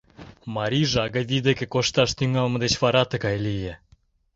Марийже Агавий деке кошташ тӱҥалме деч вара тыгай лие.